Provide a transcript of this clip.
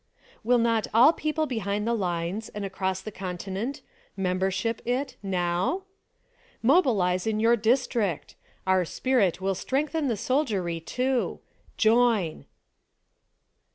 ! Will not all people behind the lines, and across the continent, membership it — now? Mobilize in your district! Our spirit will strengthen the soldiery, too! Join